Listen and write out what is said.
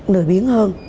nổi biến hơn